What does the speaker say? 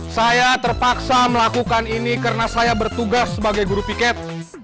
saya terpaksa melakukan ini karena saya bertugas sebagai guru piket